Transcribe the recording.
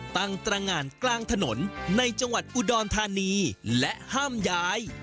ตั้งตรงานกลางถนนในจังหวัดอุดรธานีและห้ามย้าย